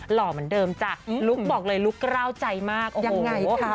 หล่อเหมือนเดิมจ้ะลุคบอกเลยลุคกล้าวใจมากยังไงคะ